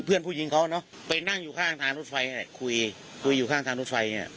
เพื่อนผู้หญิงเขาเนอะไปนั่งอยู่ข้างทางรถไฟคุยคุยอยู่ข้างทางรถไฟเนี่ย